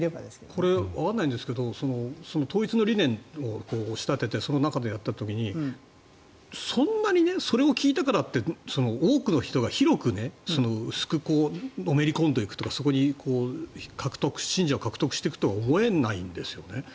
これ、わからないんですが統一の理念を仕立ててその中でやった時にそんなにそれを聞いたからって多くの人が広くのめり込んでいくというかそこに信者を獲得していくとは思えないんですよね。